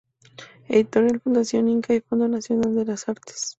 Editorial Fundación Inca y Fondo Nacional de las Artes.